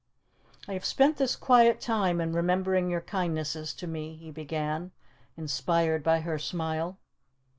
"I have spent this quiet time in remembering your kindnesses to me," he began, inspired by her smile.